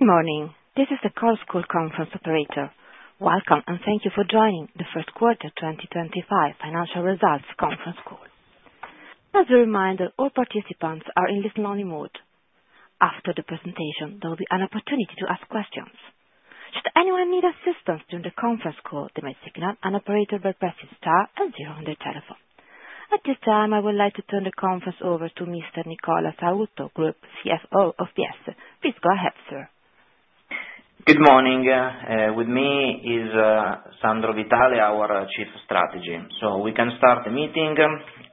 Good morning, this is the conference call operator. Welcome, and thank you for joining the First Quarter, 2025 Financial Results Conference Call. As a reminder, all participants are in listen-only mode. After the presentation, there will be an opportunity to ask questions. Should anyone need assistance during the conference call, they may signal an operator by pressing star and zero on their telephone. At this time, I would like to turn the conference over to Mr. Nicola Sautto, Group CFO of Biesse. Please go ahead, sir. Good morning. With me is Sandro Vitale, our Chief of Strategy. We can start the meeting.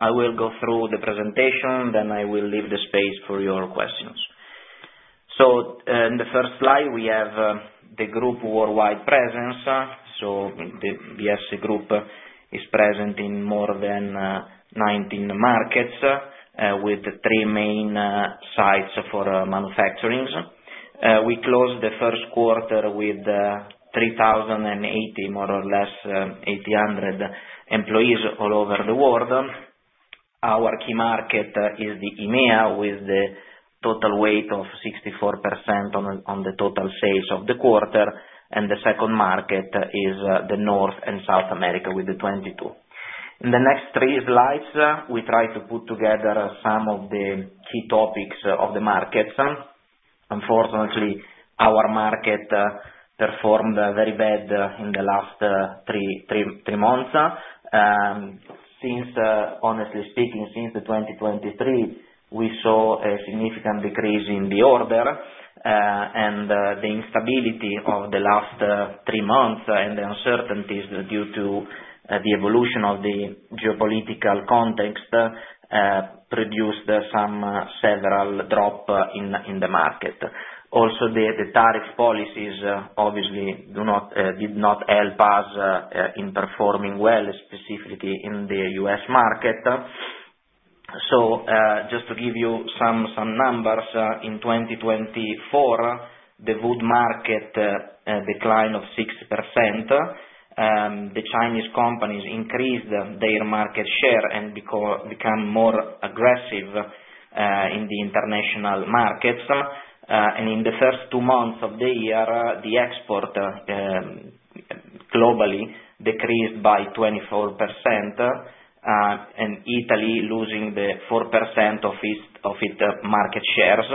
I will go through the presentation, then I will leave the space for your questions. In the first slide, we have the group worldwide presence, so the Biesse Group is present in more than ninety markets, with three main sites for manufacturing. We closed the first quarter with three thousand eight hundred, more or less, employees all over the world. Our key market is the EMEA, with the total weight of 64% on the total sales of the quarter, and the second market is the North and South America with the 22%. In the next three slides, we try to put together some of the key topics of the markets. Unfortunately, our market performed very bad in the last three months. Since, honestly speaking, since 2023, we saw a significant decrease in the order and the instability of the last three months, and the uncertainties due to the evolution of the geopolitical context produced some several drop in the market. Also, the tariff policies obviously did not help us in performing well, specifically in the U.S. market. So, just to give you some numbers, in 2024, the wood market decline of 60%, the Chinese companies increased their market share and become more aggressive in the international markets. In the first two months of the year, the export globally decreased by 24%, and Italy losing the 4% of its market shares,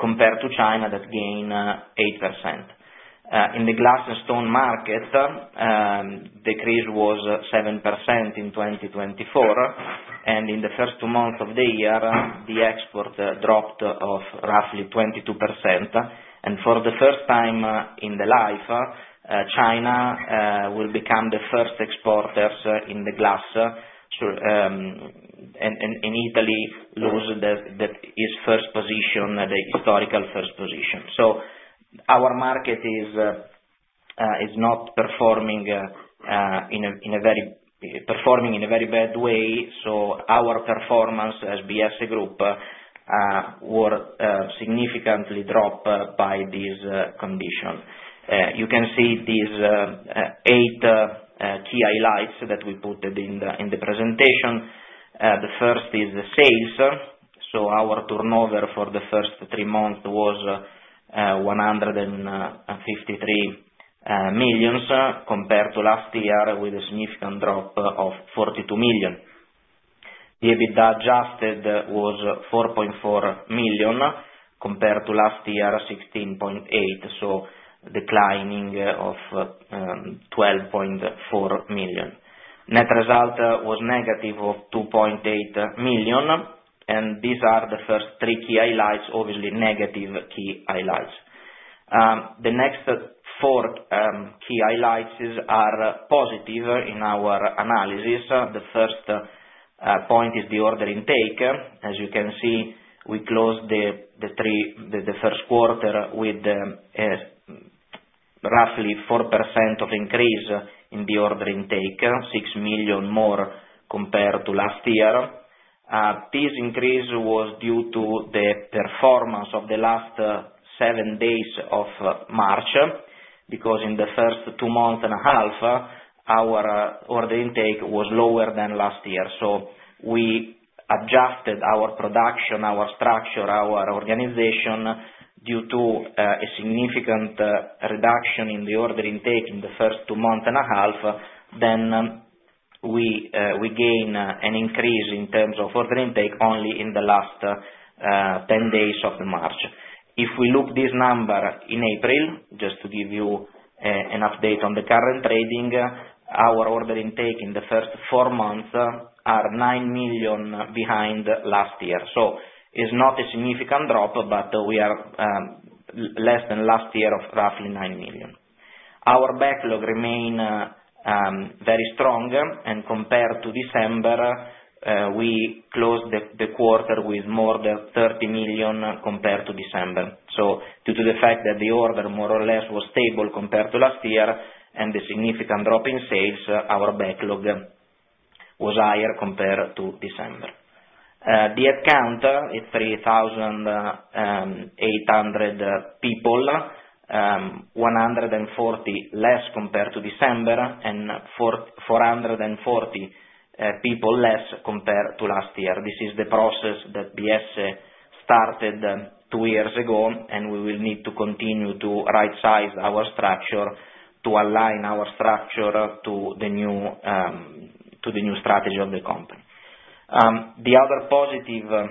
compared to China that gain 8%. In the glass and stone market, decrease was 7% in 2024, and in the first two months of the year, the export dropped of roughly 22%. For the first time in the life, China will become the first exporters in the glass sector. And Italy lose the its first position, the historical first position. Our market is not performing in a very bad way, so our performance as Biesse Group were significantly dropped by this condition. You can see these eight key highlights that we put in the presentation. The first is the sales. So our turnover for the first three months was 153 million compared to last year, with a significant drop of 42 million. The EBITDA adjusted was 4.4 million, compared to last year, 16.8, so declining of 12.4 million. Net result was negative of 2.8 million, and these are the first three key highlights, obviously, negative key highlights. The next four key highlights are positive in our analysis. The first point is the order intake. As you can see, we closed the first quarter with roughly 4% increase in the order intake, 6 million more compared to last year. This increase was due to the performance of the last seven days of March, because in the first two months and a half, our order intake was lower than last year. So we adjusted our production, our structure, our organization, due to a significant reduction in the order intake in the first two months and a half. Then we gain an increase in terms of order intake only in the last ten days of March. If we look this number in April, just to give you an update on the current trading, our order intake in the first four months are 9 million behind last year. It's not a significant drop, but we are less than last year of roughly 9 million. Our backlog remain very strong, and compared to December, we closed the quarter with more than 30 million compared to December. Due to the fact that the order more or less was stable compared to last year and the significant drop in sales, our backlog was higher compared to December. The headcount is 3,800 people, 140 less compared to December, and 440 people less compared to last year. This is the process that Biesse started two years ago, and we will need to continue to rightsize our structure, to align our structure to the new strategy of the company. The other positive,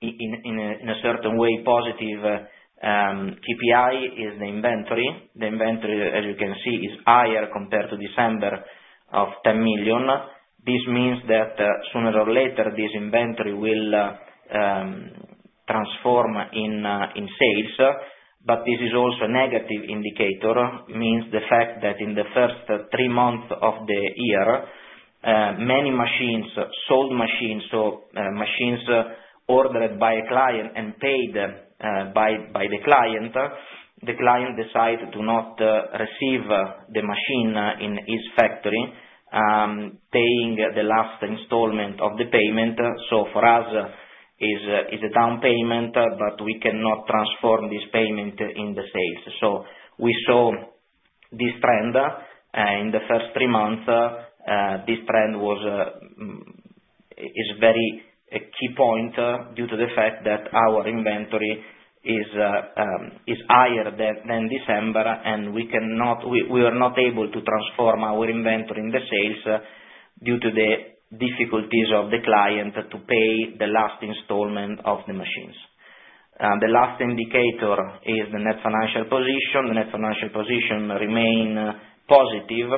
in a certain way, positive KPI, is the inventory. The inventory, as you can see, is higher compared to December, of 10 million. This means that sooner or later, this inventory will transform in sales, but this is also a negative indicator, means the fact that in the first three months of the year, many machines sold, so machines ordered by a client and paid by the client, the client decide to not receive the machine in his factory, paying the last installment of the payment. So for us, is a down payment, but we cannot transform this payment in the sales. So we saw this trend in the first three months. This trend is very key point due to the fact that our inventory is higher than December, and we are not able to transform our inventory in the sales due to the difficulties of the client to pay the last installment of the machines. The last indicator is the net financial position. The net financial position remain positive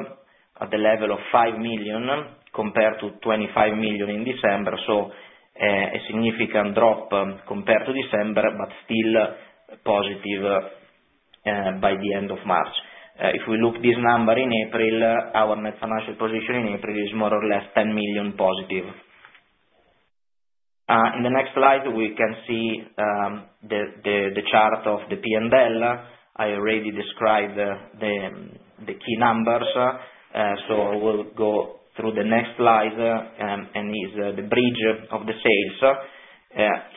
at the level of 5 million, compared to 25 million in December, so a significant drop compared to December, but still positive by the end of March. If we look this number in April, our net financial position in April is more or less 10 million positive. In the next slide, we can see the chart of the P&L. I already described the key numbers, so I will go through the next slide, and is the bridge of the sales.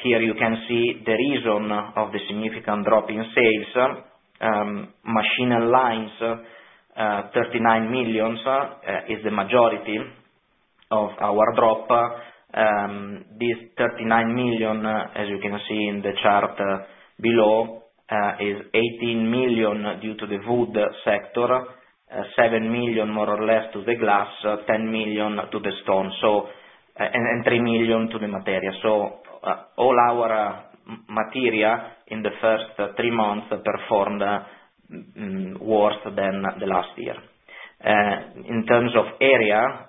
Here you can see the reason of the significant drop in sales. Machine lines, 39 million, is the majority of our drop. This 39 million, as you can see in the chart below, is 18 million due to the wood sector, seven million, more or less, to the glass, 10 million to the stone, so and three million to the Materia. All our Materia in the first three months performed worse than the last year. In terms of area,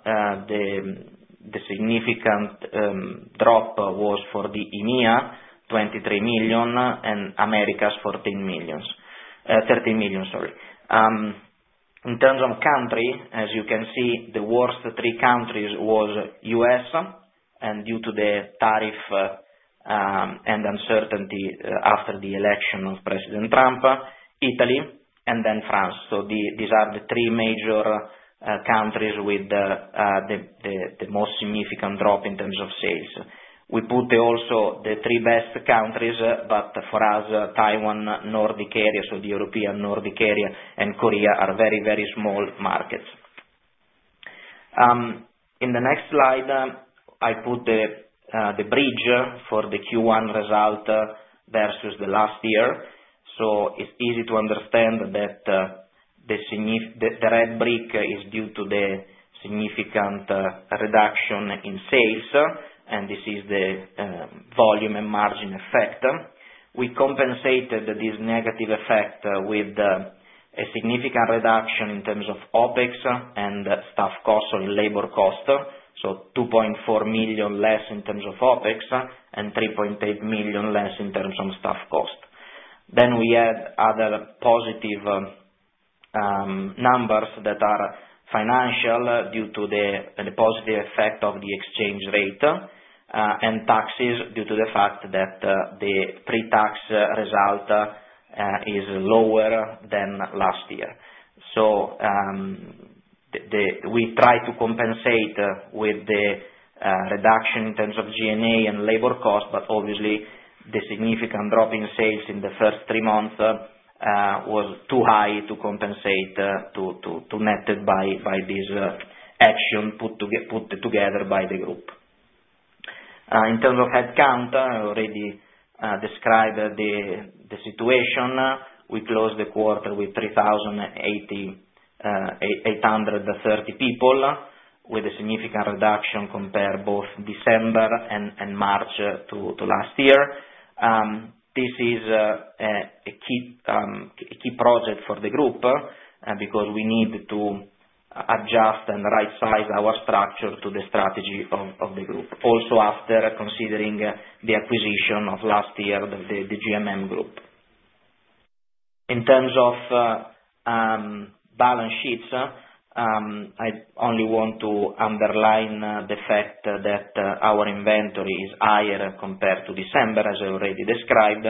the significant drop was for the EMEA, 23 million, and Americas, 14 million, 13 million, sorry. In terms of country, as you can see, the worst three countries was U.S., and due to the tariff, and uncertainty, after the election of President Trump, Italy, and then France. So these are the three major countries with the most significant drop in terms of sales. We put also the three best countries, but for us, Taiwan, Nordic area, so the European Nordic area, and Korea are very, very small markets. In the next slide, I put the bridge for the Q1 result versus the last year, so it's easy to understand that the red brick is due to the significant reduction in sales, and this is the volume and margin effect. We compensated this negative effect with a significant reduction in terms of OpEx and staff cost, or labor cost, so 2.4 million less in terms of OpEx, and 3.8 million less in terms of staff cost. Then we have other positive numbers that are financial due to the positive effect of the exchange rate and taxes, due to the fact that the pre-tax result is lower than last year. We try to compensate with the reduction in terms of G&A and labor cost, but obviously, the significant drop in sales in the first three months was too high to compensate, to net it by this action put together by the group. In terms of headcount, I already described the situation. We closed the quarter with three thousand eight hundred and thirty people, with a significant reduction compared both December and March to last year. This is a key project for the group, because we need to adjust and right-size our structure to the strategy of the group. Also, after considering the acquisition of last year, the GMM Group. In terms of balance sheets, I only want to underline the fact that our inventory is higher compared to December, as I already described,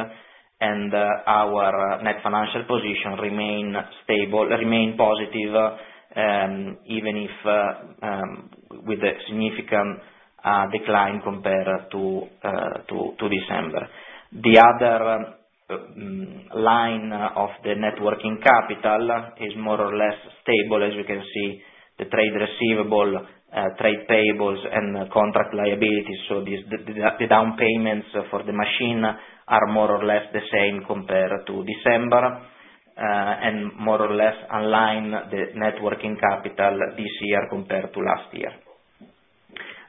and our net financial position remain stable, remain positive, even if with a significant decline compared to December. The other line of the net working capital is more or less stable. As you can see, the trade receivables, trade payables and contract liabilities, so these, the down payments for the machine are more or less the same compared to December, and more or less align the net working capital this year compared to last year.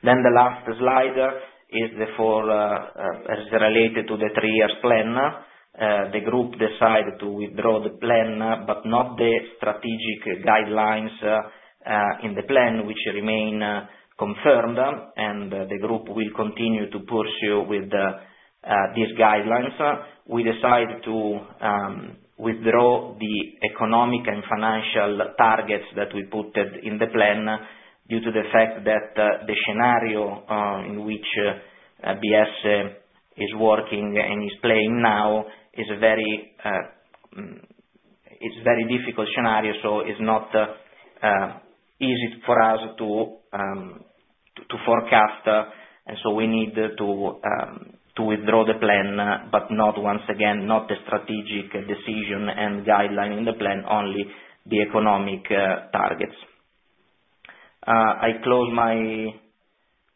The last slide is related to the three-year plan. The group decided to withdraw the plan, but not the strategic guidelines in the plan, which remain confirmed, and the group will continue to pursue with these guidelines. We decided to withdraw the economic and financial targets that we putted in the plan, due to the fact that the scenario in which Biesse is working and is playing now is very difficult scenario, so it's not easy for us to forecast. And so we need to withdraw the plan, but not once again, not the strategic decision and guideline in the plan, only the economic targets. I close my,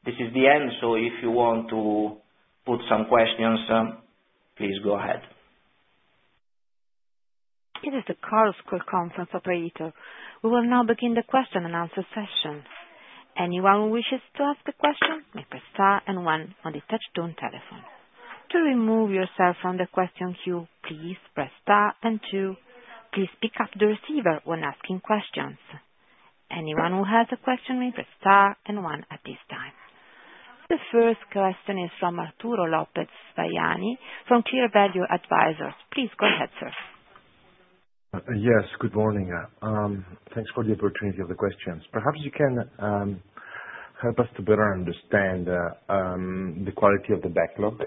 this is the end, so if you want to put some questions, please go ahead. This is the conference operator. We will now begin the question-and-answer session. Anyone who wishes to ask a question, may press star and one on the touch tone telephone. To remove yourself from the question queue, please press star and two. Please pick up the receiver when asking questions. Anyone who has a question, may press star and one at this time. The first question is from Arturo Lopez Vaiani, from Clear Value Advisors. Please go ahead, sir. Yes, good morning. Thanks for the opportunity of the questions. Perhaps you can help us to better understand the quality of the backlog.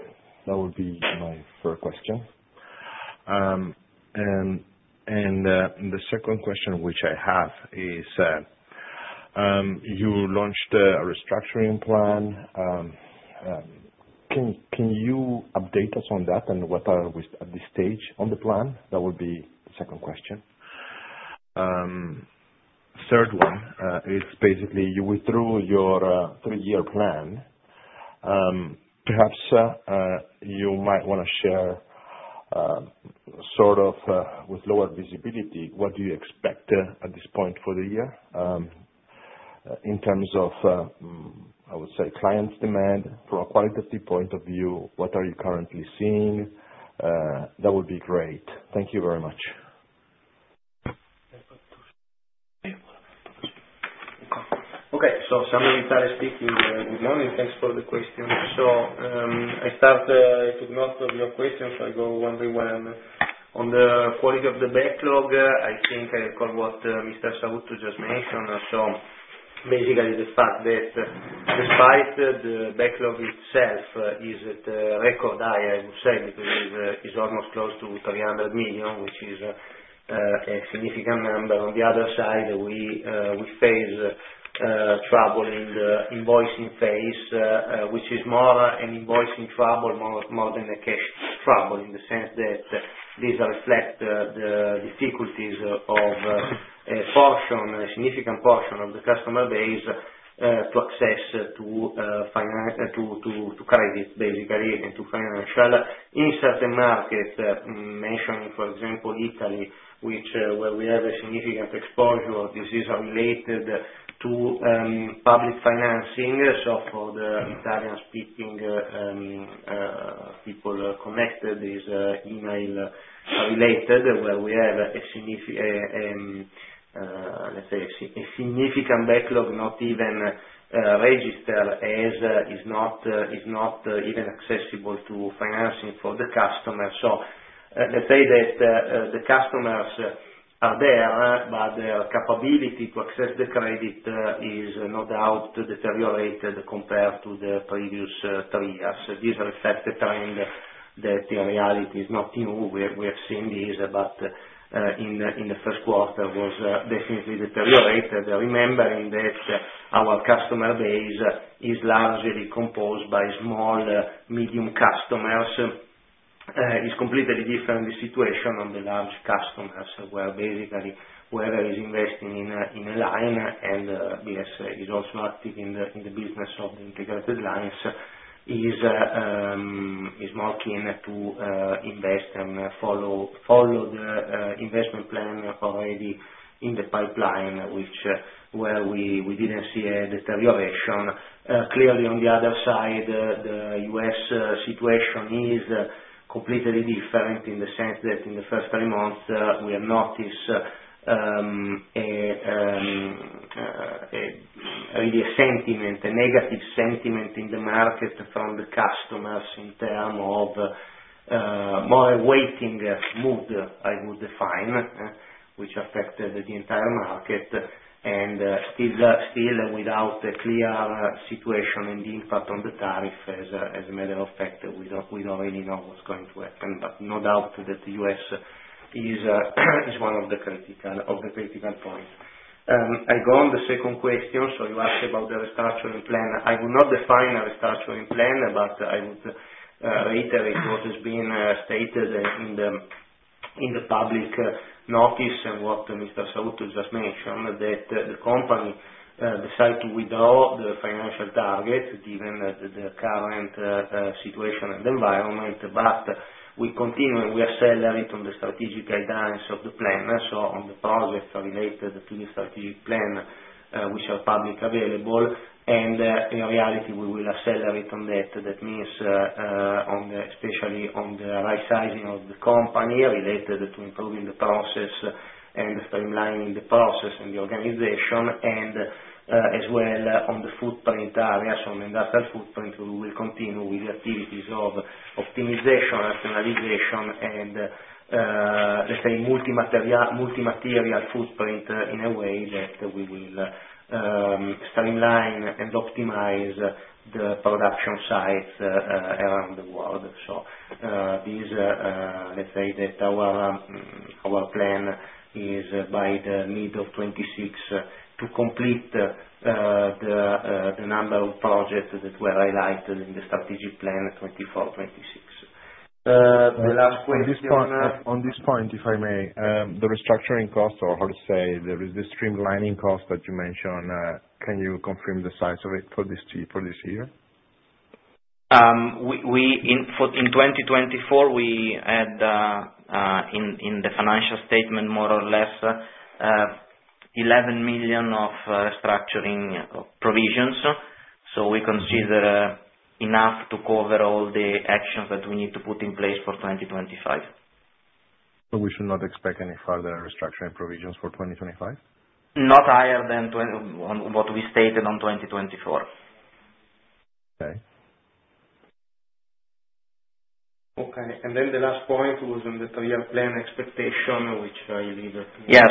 That would be my first question, and the second question which I have is, you launched a restructuring plan. Can you update us on that and what are we at this stage on the plan? That would be the second question. Third one is basically, you withdrew your three-year plan. Perhaps you might wanna share, sort of, with lower visibility, what do you expect at this point for the year, in terms of, I would say, clients' demand? From a qualitative point of view, what are you currently seeing? That would be great. Thank you very much. Okay, so Sandro Vitale speaking. Good morning, thanks for the question. So, I start to most of your questions, I go one by one. On the quality of the backlog, I think I recall what Mr. Sautto just mentioned. So basically, the fact that despite the backlog itself is at record high, I would say, because it's almost close to 300 million, which is a significant number. On the other side, we face trouble in the invoicing phase, which is more an invoicing trouble, more than a cash trouble, in the sense that these reflect the difficulties of a portion, a significant portion of the customer base to access to financial to credit, basically, and to financial. In certain markets, mentioning, for example, Italy, which, where we have a significant exposure, this is related to public financing so for the Italian speaking people connected is mainly related, where we have, let's say, a significant backlog, not even registered, as is not even accessible to financing for the customer. So let's say that the customers are there, but their capability to access the credit is no doubt deteriorated compared to the previous three years. This reflects the trend that the reality is not new. We have seen this, but in the first quarter was definitely deteriorated. Remembering that our customer base is largely composed by small, medium customers, is completely different, the situation on the large customers, where basically, whoever is investing in a line, and Biesse is also active in the business of integrated lines, is more keen to invest and follow the investment plan already in the pipeline, which where we didn't see a deterioration. Clearly, on the other side, the U.S. situation is completely different, in the sense that in the first three months, we have noticed a really a sentiment, a negative sentiment in the market from the customers in terms of. More waiting mood, I would define, which affected the entire market, and is still without a clear situation and the impact on the tariff, as a matter of fact, we don't really know what's going to happen, but no doubt that the U.S. is one of the critical points. I go on to the second question, so you asked about the restructuring plan. I will not define a restructuring plan, but I would reiterate what has been stated in the public notice and what Mr. Sautto just mentioned, that the company decide to withdraw the financial target, given the current situation and environment. But we continue and we accelerate on the strategic guidance of the plan, so on the progress related to the strategic plan, which are publicly available, and, in reality, we will accelerate on that. That means, especially on the right-sizing of the company, related to improving the process and streamlining the process and the organization, and, as well, on the footprint areas, on industrial footprint, we will continue with the activities of optimization, rationalization, and, let's say, multi-material footprint, in a way that we will streamline and optimize the production sites around the world. So, this, let's say that our plan is by the middle of 2026 to complete the number of projects that were highlighted in the strategic plan, 2024, 2026. The last question. On this point, if I may, the restructuring cost, or how to say, there is the streamlining cost that you mentioned. Can you confirm the size of it for this year? We, in 2024, we had in the financial statement more or less 11 million of restructuring provisions. So we consider- Mm. Enough to cover all the actions that we need to put in place for 2025. So we should not expect any further restructuring provisions for 2025? Not higher than 20 on what we stated on 2024. Okay. Okay, and then the last point was on the three-year plan expectation, which I read. Yeah,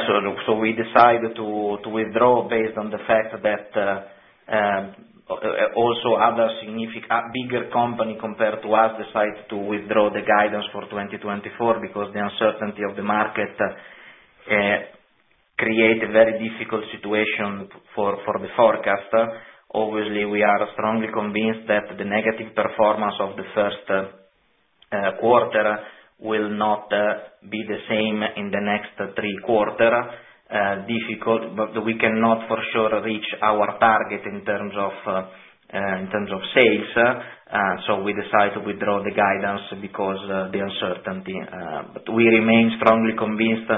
so we decided to withdraw based on the fact that also other bigger company compared to us decide to withdraw the guidance for 2024, because the uncertainty of the market create a very difficult situation for the forecast. Obviously, we are strongly convinced that the negative performance of the first quarter will not be the same in the next three quarter. Difficult, but we cannot for sure reach our target in terms of sales, so we decide to withdraw the guidance because the uncertainty. But we remain strongly convinced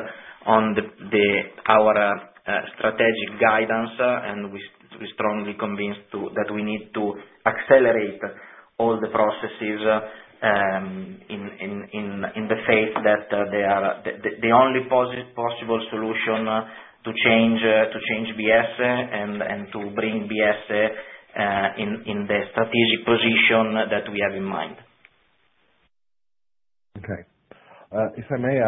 on our strategic guidance, and we strongly convinced that we need to accelerate all the processes in the faith that they are the only possible solution to change Biesse, and to bring Biesse in the strategic position that we have in mind. Okay. If I may,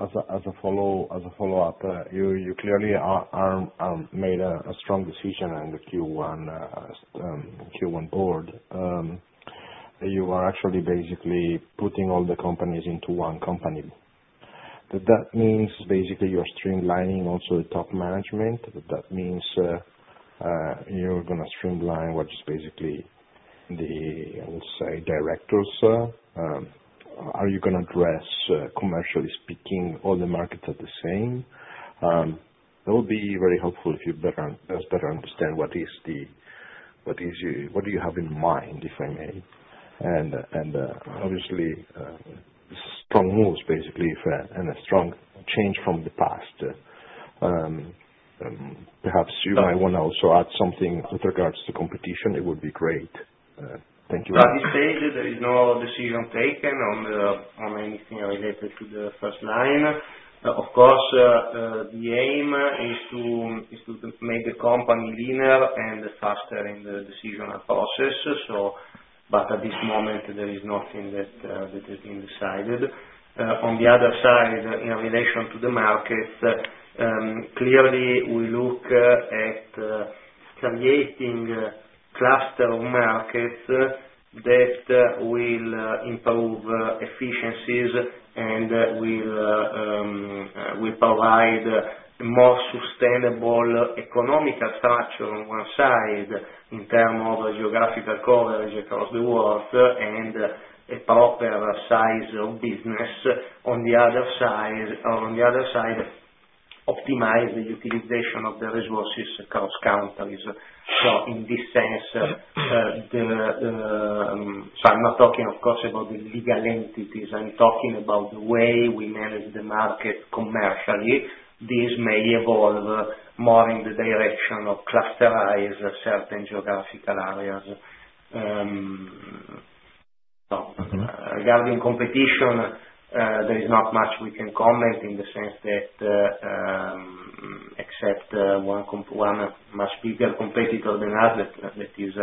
as a follow-up, you clearly are made a strong decision on the Q1 board. You are actually basically putting all the companies into one company. Does that means basically you're streamlining also the top management? That means you're gonna streamline what is basically the, I would say, directors? Are you gonna address, commercially speaking, all the markets are the same? That would be very helpful if you better un- us better understand what do you have in mind, if I may? And obviously strong moves, basically, if, and a strong change from the past. Perhaps you might wanna also add something with regards to competition. It would be great. Thank you. At this stage, there is no decision taken on anything related to the first line. Of course, the aim is to make the company leaner and faster in the decisional process, so, but at this moment, there is nothing that has been decided. On the other side, in relation to the markets, clearly, we look at creating a cluster of markets that will improve efficiencies and will provide more sustainable economic structure on one side, in terms of geographical coverage across the world, and a proper size of business on the other side. On the other side, optimize the utilization of the resources across countries. So in this sense, so I'm not talking, of course, about the legal entities. I'm talking about the way we manage the market commercially. This may evolve more in the direction of clustering certain geographical areas. Mm-hmm. Regarding competition, there is not much we can comment, in the sense that, except one much bigger competitor than us, that is,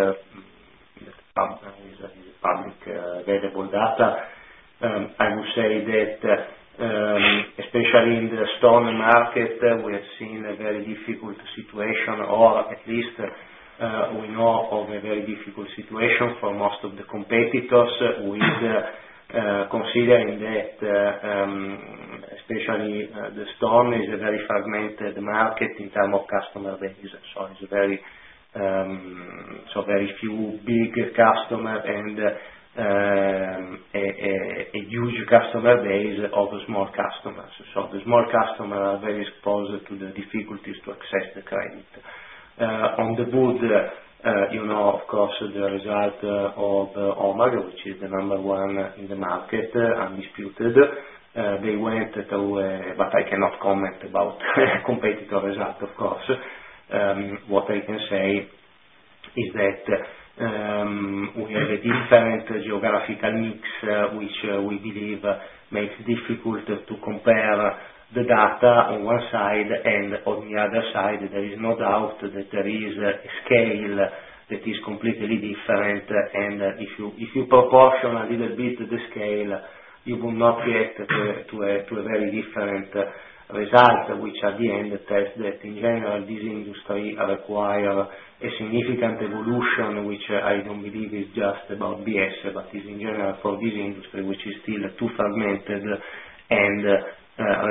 Company's public available data. I would say that, especially in the stone market, we have seen a very difficult situation, or at least, we know of a very difficult situation for most of the competitors, with, considering that, especially, the stone is a very fragmented market in terms of customer base. So it's very, so very few big customer, and, a huge customer base of small customers. So the small customer are very exposed to the difficulties to access the credit. On the other hand, you know, of course, the result of Omag, which is the number one in the market, undisputed. They went to, But I cannot comment about competitor result, of course. What I can say is that we have a different geographical mix, which we believe makes difficult to compare the data on one side, and on the other side, there is no doubt that there is a scale that is completely different. And if you proportion a little bit the scale, you will not get to a very different result, which at the end tells that, in general, this industry require a significant evolution, which I don't believe is just about Biesse, but is in general for this industry, which is still too fragmented and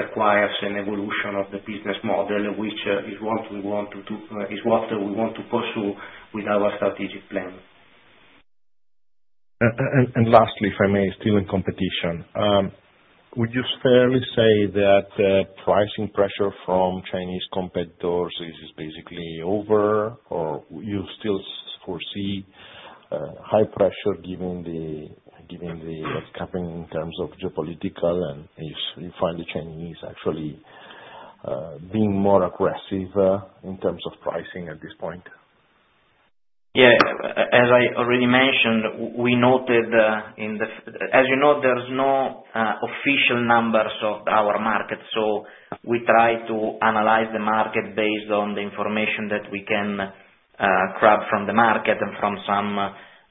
requires an evolution of the business model, which is what we want to do, is what we want to pursue with our strategic plan. Lastly, if I may, still in competition. Would you fairly say that pricing pressure from Chinese competitors is just basically over? Or you still foresee high pressure given the capping in terms of geopolitical, and if you find the Chinese actually being more aggressive in terms of pricing at this point? Yeah, as I already mentioned, we noted. As you know, there's no official numbers of our market, so we try to analyze the market based on the information that we can grab from the market and from some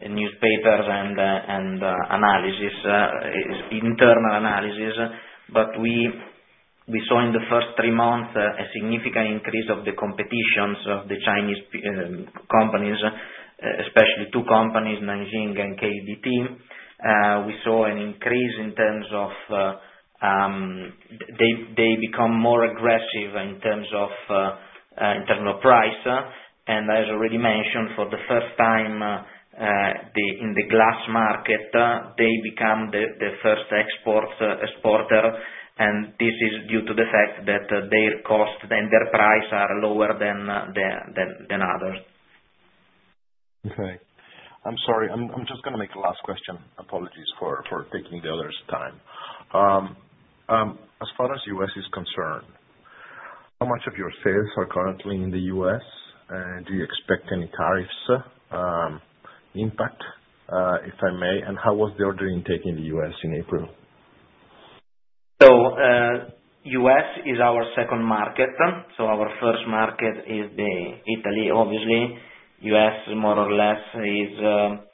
newspapers and internal analysis. But we saw in the first three months a significant increase of the competition from the Chinese companies, especially two companies, Nanxing and KDT. We saw an increase in terms of. They become more aggressive in terms of price. As already mentioned, for the first time, they, in the glass market, become the first exporter, and this is due to the fact that their cost and their price are lower than others. Okay. I'm sorry, I'm just gonna make a last question. Apologies for taking the others' time. As far as U.S. is concerned, how much of your sales are currently in the U.S.? And do you expect any tariffs impact, if I may? And how was the order intake in the U.S. in April? U.S. is our second market. Our first market is Italy, obviously. U.S., more or less, is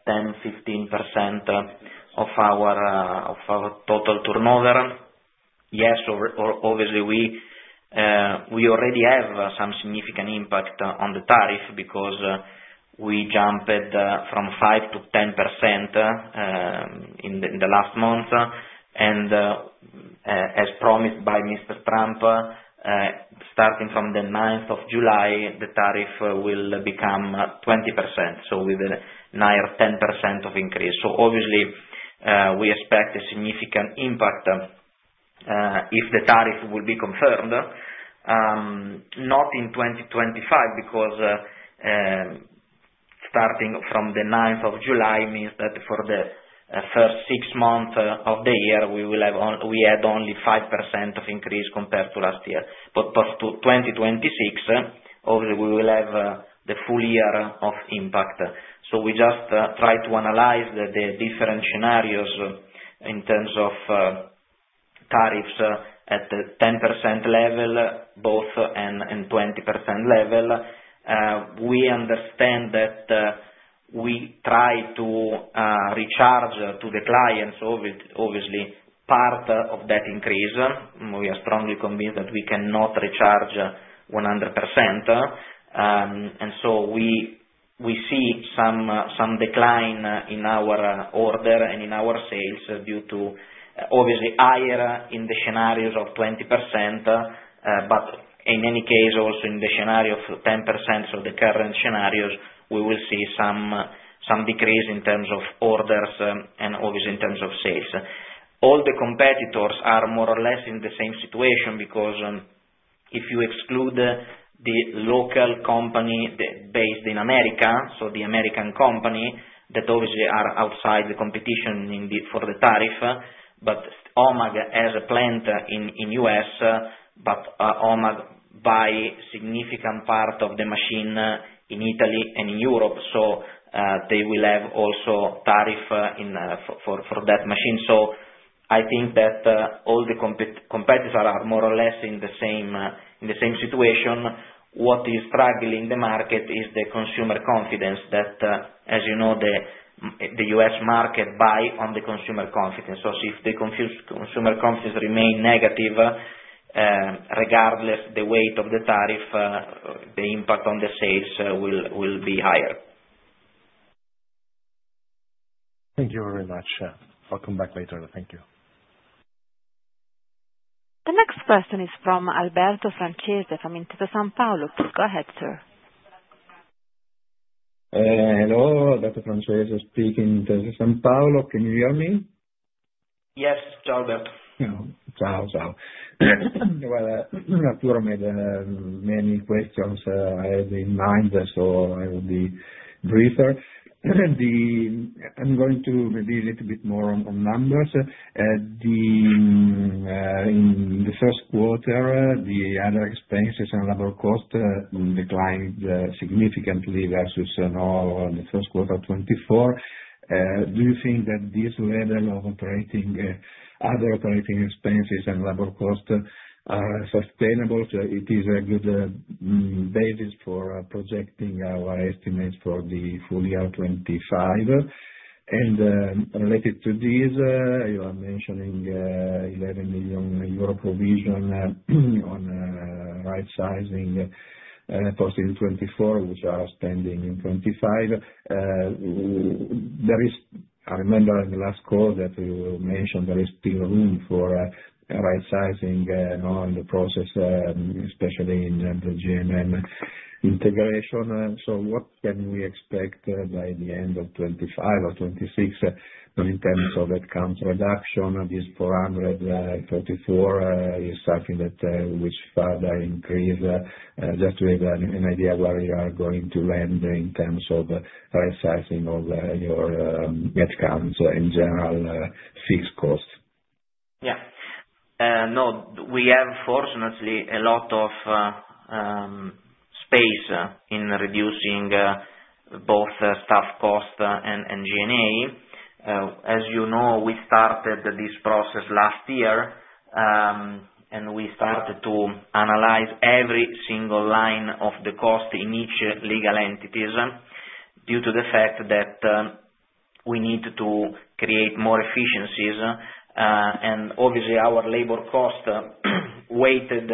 10%-15% of our total turnover. Obviously, we already have some significant impact on the tariff, because we jumped from 5% to 10% in the last month. As promised by Mr. Trump, starting from the ninth of July, the tariff will become 20%, so with a near 10% increase. Obviously, we expect a significant impact if the tariff will be confirmed. Not in 2025, because starting from the ninth of July means that for the first six months of the year, we had only 5% increase compared to last year. But to 2026, obviously we will have the full year of impact. So we just try to analyze the different scenarios in terms of tariffs at the 10% level and 20% level. We understand that we try to recharge to the clients, obviously, part of that increase. We are strongly convinced that we cannot recharge 100%, and so we see some decline in our order and in our sales, due to obviously higher in the scenarios of 20%, but in any case, also in the scenario of 10%, so the current scenarios, we will see some decrease in terms of orders and obviously in terms of sales. All the competitors are more or less in the same situation, because, if you exclude the local company based in America, so the American company, that obviously are outside the competition in the, for the tariff, but Omag has a plant in U.S., but, Omag buy significant part of the machine, in Italy and in Europe, so, they will have also tariff, in, for that machine. So I think that, all the competitors are more or less in the same, in the same situation. What is struggling the market is the consumer confidence, that, as you know, the, the U.S. market buy on the consumer confidence. So if the consumer confidence remain negative, regardless the weight of the tariff, the impact on the sales, will be higher. Thank you very much. I'll come back later. Thank you. The next person is from Alberto Francese, from Intesa Sanpaolo. Go ahead, sir. Hello, Dr. Francese speaking, Intesa Sanpaolo. Can you hear me? Yes. Ciao, doc. You know, ciao, ciao. Well, Arturo made many questions I have in mind, so I will be briefer. I'm going to be a little bit more on numbers. In the first quarter, the other expenses and labor cost declined significantly versus now on the first quarter 2024. Do you think that this level of operating other operating expenses and labor cost are sustainable, so it is a good basis for projecting our estimates for the full year 2025? And related to this, you are mentioning 11 million euro provision on right-sizing cost in 2024, which are spending in 2025. I remember in the last call that you mentioned, there is still room for right sizing on the process, especially in the GMM integration. So what can we expect by the end of 2025 or 2026, in terms of head count reduction, this four hundred thirty-four is something that which further increase? Just to have an idea where you are going to land in terms of right sizing of your head count, so in general fixed costs. Yeah. No, we have, fortunately, a lot of space in reducing both staff cost and G&A. As you know, we started this process last year, and we started to analyze every single line of the cost in each legal entities, due to the fact that we need to create more efficiencies. And obviously, our labor cost weighted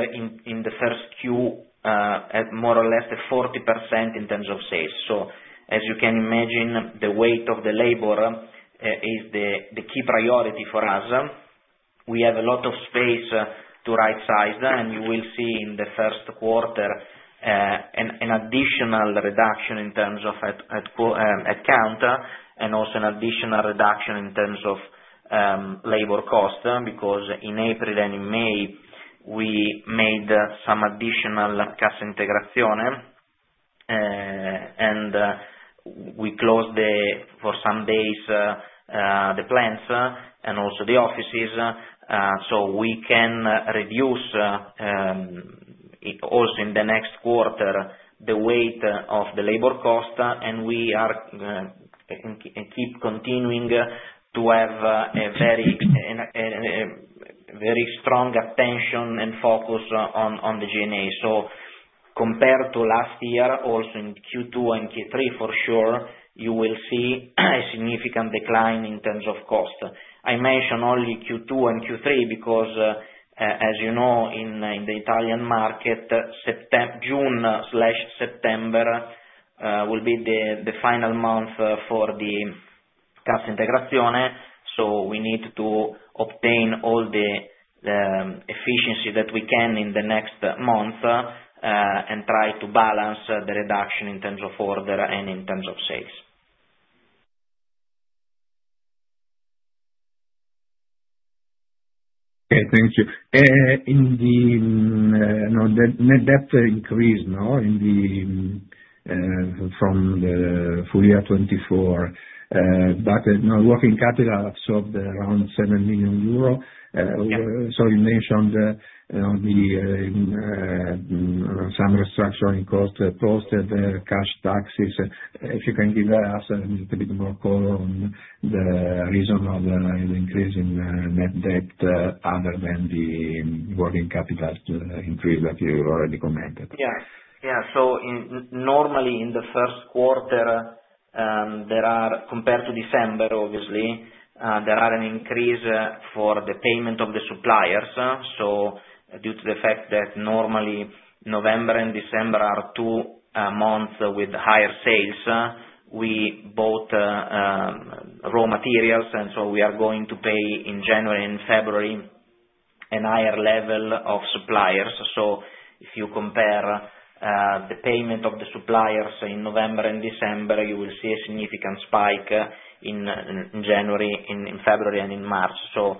in the first Q at more or less at 40% in terms of sales. So as you can imagine, the weight of the labor is the key priority for us. We have a lot of space to right size, and you will see in the first quarter an additional reduction in terms of head count, and also an additional reduction in terms of labor cost, because in April and in May, we made some additional cassa integrazione, and we closed the plants for some days and also the offices. So we can reduce it also in the next quarter, the weight of the labor cost, and we keep continuing to have a very strong attention and focus on the G&A. So compared to last year, also in Q2 and Q3, for sure, you will see a significant decline in terms of cost. I mentioned only Q2 and Q3 because, as you know, in the Italian market, June/September will be the final month for the cassa integrazione. So we need to obtain all the efficiency that we can in the next month, and try to balance the reduction in terms of order and in terms of sales. Okay, thank you. The net debt increase now from the full year 2024, but, you know, working capital absorbed around 7 million euro. Yeah. So you mentioned some restructuring cost, cash taxes. If you can give us a little bit more color on the reason of the increase in net debt, other than the working capital increase that you already commented. Yeah. Yeah, so in normally, in the first quarter, there are, compared to December, obviously, there are an increase for the payment of the suppliers. So due to the fact that normally November and December are two months with higher sales, we bought raw materials, and so we are going to pay in January and February, an higher level of suppliers. So if you compare the payment of the suppliers in November and December, you will see a significant spike in January, in February, and in March. So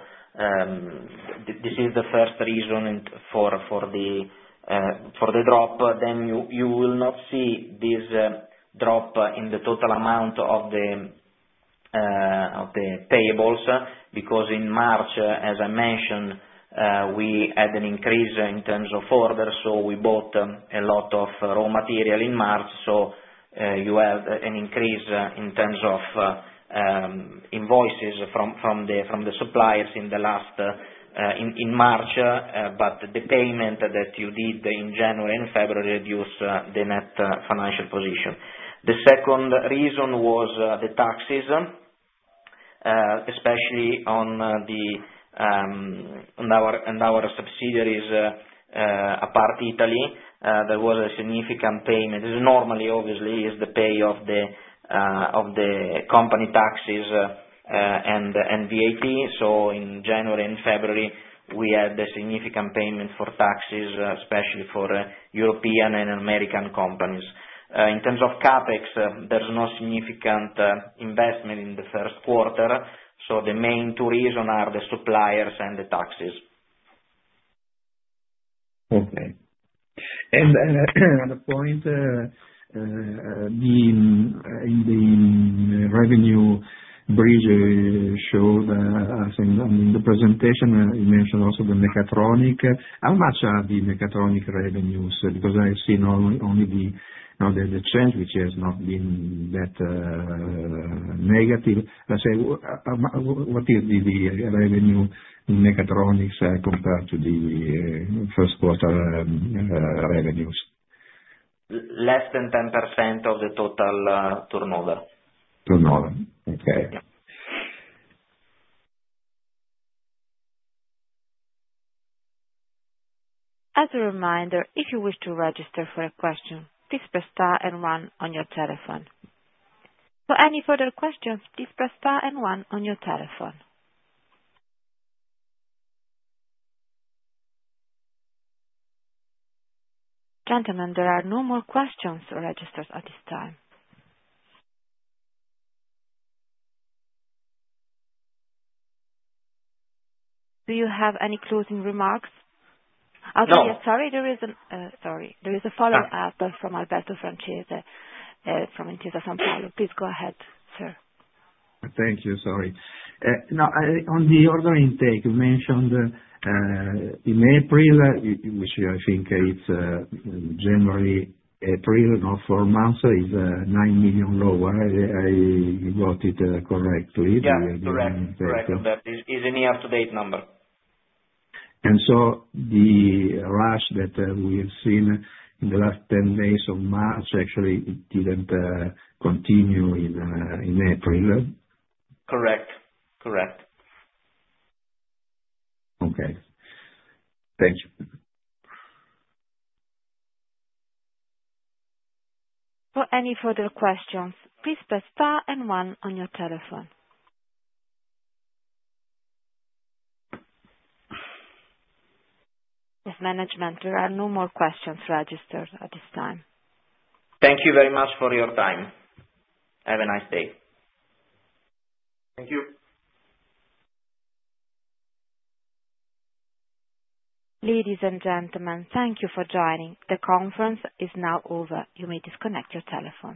this is the first reason for the drop. Then you will not see this drop in the total amount of the payables, because in March, as I mentioned, we had an increase in terms of orders, so we bought a lot of raw material in March, so you have an increase in terms of invoices from the suppliers in March, but the payment that you did in January and February reduced the net financial position. The second reason was the taxes, especially in our subsidiaries apart Italy, there was a significant payment. This is normally, obviously, the pay of the company taxes and VAT. So in January and February, we had a significant payment for taxes, especially for European and American companies. In terms of CapEx, there's no significant investment in the first quarter, so the main two reason are the suppliers and the taxes. Okay. And another point, in the revenue bridge showed, as in the presentation, you mentioned also the Mechatronics. How much are the Mechatronics revenues? Because I've seen only the, you know, the trend, which has not been that negative. Let's say, what is the revenue in Mechatronics, compared to the first quarter revenues? Less than 10% of the total turnover. Turnover. Okay. As a reminder, if you wish to register for a question, please press star and one on your telephone. For any further questions, please press star and one on your telephone. Gentlemen, there are no more questions registered at this time. Do you have any closing remarks? No. Oh, sorry, there is a follow-up from Alberto Francese from Intesa Sanpaolo. Please go ahead, sir. Thank you. Sorry. Now, on the order intake, you mentioned in April, which I think it's January, April, now four months, is 9 million lower. I got it correctly? Yeah. Correct. Correct. That is a near up-to-date number. And so the rush that we've seen in the last 10 days of March, actually it didn't continue in April? Correct. Correct. Okay. Thank you. For any further questions, please press star and one on your telephone. If management, there are no more questions registered at this time. Thank you very much for your time. Have a nice day. Thank you. Ladies and gentlemen, thank you for joining. The conference is now over. You may disconnect your telephones.